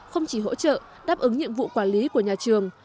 không chỉ hỗ trợ đáp ứng nhiệm vụ quản lý của nhà trường